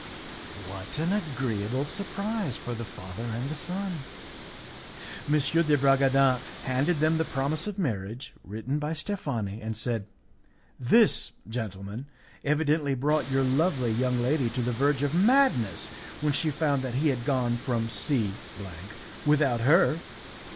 What an agreeable surprise for the father and son! M. de Bragadin handed them the promise of marriage written by Steffani, and said, "This, gentlemen, evidently brought your lovely young lady to the verge of madness when she found that he had gone from C without her.